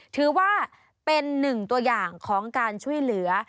ถือว่าเป็นหนึ่งตัวอย่างของการช่วยเหลือ